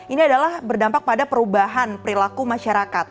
ini adalah berdampak pada perubahan perilaku masyarakat